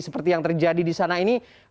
seperti yang terjadi di sana ini